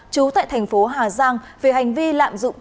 trú tại thành phố hà giang về hành vi lạm dụng